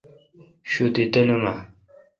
شوتی تلوم اؘ۔